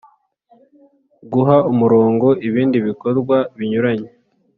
guha umurongo ibindi bikorwa binyuranye.